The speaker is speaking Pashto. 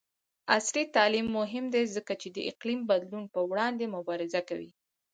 عصري تعلیم مهم دی ځکه چې د اقلیم بدلون پر وړاندې مبارزه کوي.